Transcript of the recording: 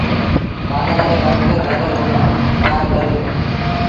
وآݩدآئيٚ ري وکت گھر رو ڪم ڪآر ڪري دو